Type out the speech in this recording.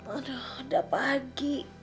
ah udah pagi